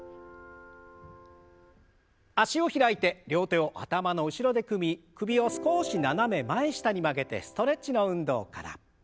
脚を開いて両手を頭の後ろで組み首を少し斜め前下に曲げてストレッチの運動から。